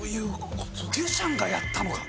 デュシャンがやったのか！